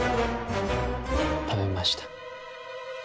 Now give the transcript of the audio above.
食べました。